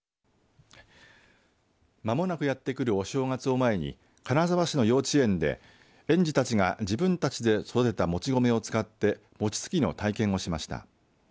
まもなくやってくるお正月を前に金沢市の幼稚園で園児たちが自分たちで育てたもち米を使って餅つきの体験をしました。